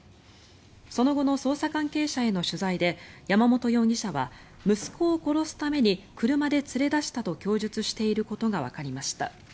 その後の捜査関係者への取材で山本容疑者は息子を殺すために車で連れ出したと供述していることがわかりました。